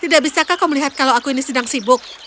tidak bisakah kau melihat kalau aku ini sedang sibuk